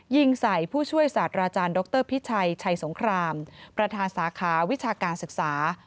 ยิงใส่ผู้ช่วยศาสตราจารย์ดรพิชัยชัยสงครามประธานสาขาวิชาการศึกษา